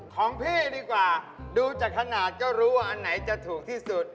ของพี่ดีกว่าดูจากขนาดก็รู้ว่าอันไหนจะถูกที่สุด